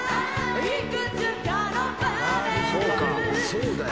そうか。